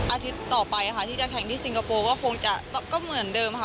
อาทิตย์ต่อไปค่ะที่จะแข่งที่สิงคโปร์ก็คงจะก็เหมือนเดิมค่ะ